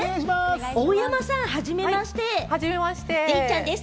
大山さん初めまして、デイちゃんです！